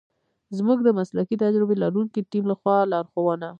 زمونږ د مسلکي تجربه لرونکی تیم لخوا لارښونه